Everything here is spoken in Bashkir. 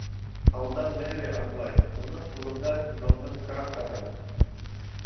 Алдан Мерри атлай, уның ҡулында Джондың картаһы.